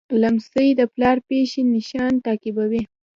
لمسی د پلار پښې نښان تعقیبوي.